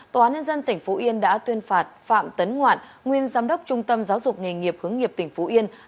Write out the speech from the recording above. tòa án nhân dân tp yên đã tuyên phạt phạm tấn ngoạn nguyên giám đốc trung tâm giáo dục nghề nghiệp hướng nghiệp tp yên